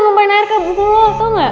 numpain air ke buku lo tau ga